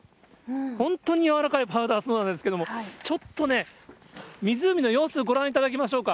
本当に柔らかいパウダースノーなんですけれども、ちょっとね、湖の様子、ご覧いただきましょうか。